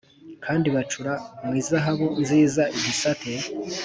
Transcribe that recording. Kandi bacura mu izahabu nziza igisate